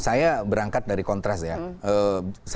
saya berangkat dari kontras